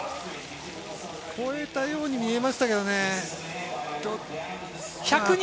越えたように見えましたけどね。